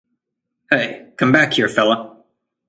Hey, come back here, fella!